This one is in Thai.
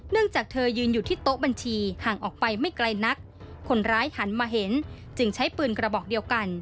จากเธอยืนอยู่ที่โต๊ะบัญชีห่างออกไปไม่ไกลนักคนร้ายหันมาเห็นจึงใช้ปืนกระบอกเดียวกัน